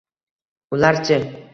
Ularchi?